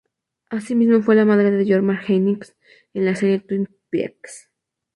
Asimismo, fue la madre de Norma Jennings en la serie Twin Peaks.